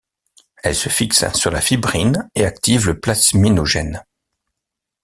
Elle se fixe sur la fibrine et active le plasminogène.